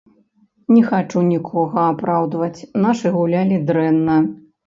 Не хачу нікога апраўдваць, нашы гулялі дрэнна.